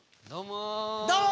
どうも。